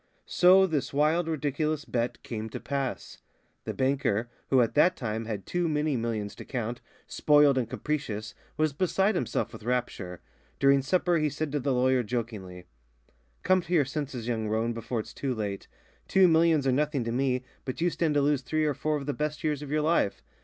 So this wild, ridiculous bet came to pass. The banker, who at that time had too many millions to count, spoiled and capricious, was beside himself with rapture. During supper he said to the lawyer jokingly: "Come to your senses, young roan, before it's too late. Two millions are nothing to me, but you stand to lose three or four of the best years of your life.